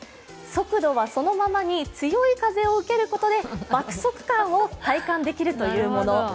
速度はそのままに強い風を受けることで爆速感を体感できるというもの。